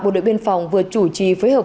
bộ đội biên phòng vừa chủ trì phối hợp